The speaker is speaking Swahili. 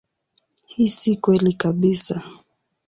Hii si kweli kabisa.